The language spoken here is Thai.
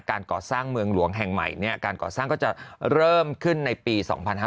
การก่อสร้างเมืองหลวงแห่งใหม่การก่อสร้างก็จะเริ่มขึ้นในปี๒๕๕๙